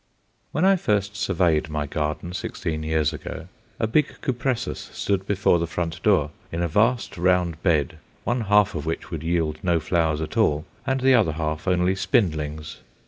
When I first surveyed my garden sixteen years ago, a big Cupressus stood before the front door, in a vast round bed one half of which would yield no flowers at all, and the other half only spindlings.